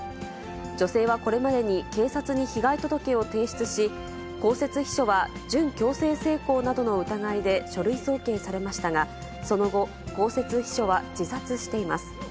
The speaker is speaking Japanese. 女性はこれまでに警察に被害届を提出し、公設秘書は準強制性交などの疑いで、書類送検されましたが、その後、公設秘書は自殺しています。